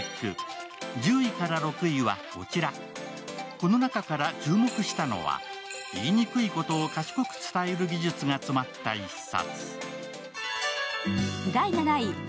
この中から注目したのは、言いにくいことを賢く伝える技術が詰まった一冊。